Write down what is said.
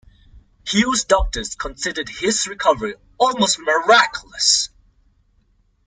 Hughes' doctors considered his recovery almost miraculous.